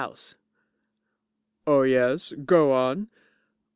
JUDGE Oh, yes. Go on.